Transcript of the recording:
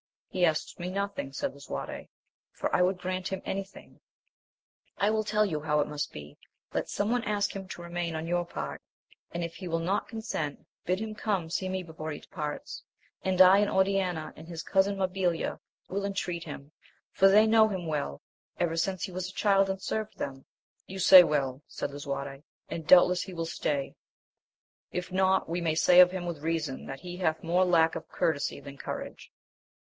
He asks me nothing, said 'Lisuarte, for I would grant him any thing. — I will tell you how it must be : let some one ask him to remain on your part, and if he will not consent bid him come see me before he departs, and I and Oriana, and his cousin Mabilia, will entreat him, for they know him well, ever since he was a cJoSl^ axA ^^t^^^ \}cvsjcql. You AMADIS OF GAUL. 97 say well, said Lisuarte, and doubtless he will stay ; if not, we may say of him with reason, that he hath more lack of courtesy than courage.